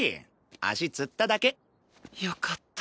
足つっただけ。よかった。